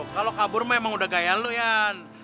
kalau kabur memang udah gaya lu yan